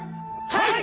はい！